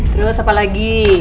terus apa lagi